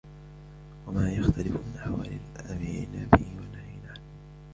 وَمَا يَخْتَلِفُ مِنْ أَحْوَالِ الْآمِرِينَ بِهِ وَالنَّاهِينَ عَنْهُ